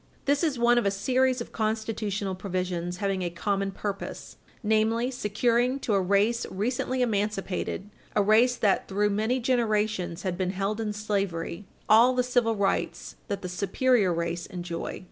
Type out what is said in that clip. This is one of a series of constitutional provisions having a common purpose namely, securing to a race recently emancipated, a race that, through many generations, had been held in slavery, all the civil rights that the superior race enjoy.